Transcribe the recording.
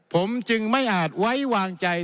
ผมจึงไม่อาจไว้วางใจ